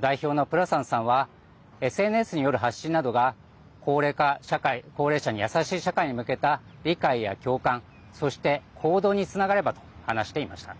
代表のプラサンさんはＳＮＳによる発信などが高齢者に優しい社会に向けた理解や共感そして、行動につながればと話していました。